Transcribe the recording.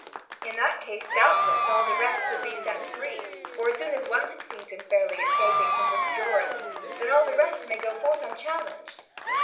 "In that case, doubtless all the rest would be set free; for, as soon as one succeeds in fairly escaping from this durance, then all the rest may go forth unchallenged."